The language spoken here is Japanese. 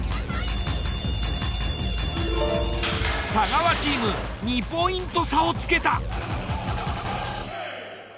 太川チーム２ポイント差をつけた。